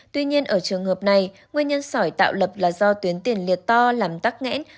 tuy nhiên ở trường hợp này nguyên nhân sỏi tạo lập là do tuyến tiền liệt to làm tắc nghẽn